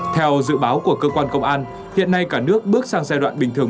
theo dự báo của cơ quan công an hiện nay cả nước bước sang giai đoạn bình thường